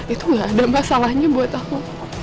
itu gak ada masalahnya buat aku